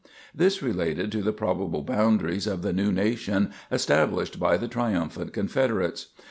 This related to the probable boundaries of the new nation established by the triumphant Confederates.